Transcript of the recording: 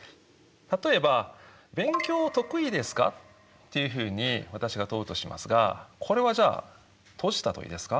例えば「勉強得意ですか？」というふうに私が問うとしますがこれはじゃあ閉じた問いですか？